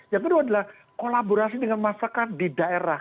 yang kedua adalah kolaborasi dengan masyarakat di daerah